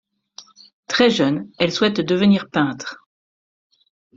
Très jeune, elle souhaite devenir peintre.